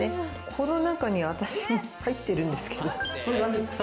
この中に私も入ってるんですけど。